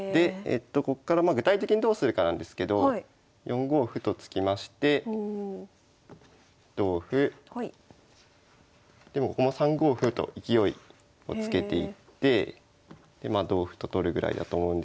こっから具体的にどうするかなんですけど４五歩と突きまして同歩でここも３五歩と勢いをつけていってでまあ同歩と取るぐらいだと思うんですけど。